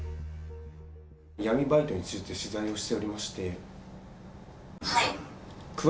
闇バイトについて取材をしておりまして。